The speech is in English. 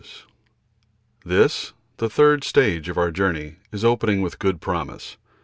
22.3. This, the third stage of our journey, is opening with good promise.